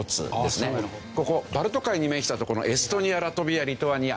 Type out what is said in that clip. ここバルト海に面した所のエストニアラトビアリトアニア